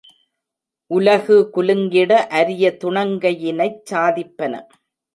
உலகு குலுங்கிட அரிய துணங்கையினைச் சாதிப்பன.